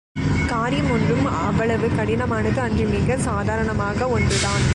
காரியம் ஒன்றும் அவ்வளவு கடினமானது அன்று மிகச் சாதாரணமான ஒன்றுதான்.